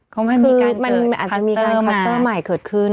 คือมันอาจจะมีการคลัสเตอร์ใหม่เกิดขึ้น